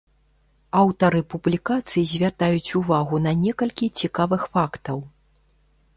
Аўтары публікацый звяртаюць увагу на некалькі цікавых фактаў.